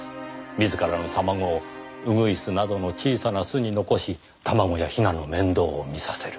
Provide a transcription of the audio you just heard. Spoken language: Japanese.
自らの卵をウグイスなどの小さな巣に残し卵や雛の面倒を見させる。